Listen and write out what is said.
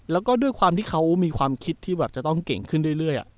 แล้วก็ด้วยความที่เขามีความคิดที่แบบจะต้องเก่งขึ้นเรื่อย